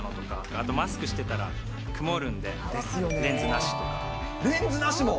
あとマスクしてたら曇るんで、レンズなしも？